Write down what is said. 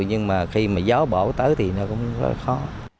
nhưng mà khi gió bổ tới thì nó cũng rất là khó